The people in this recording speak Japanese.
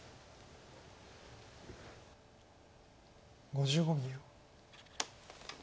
５５秒。